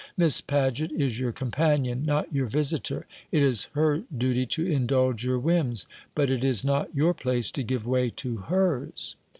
Miss Paget is your companion, not your visitor. It is her duty to indulge your whims, but it is not your place to give way to hers."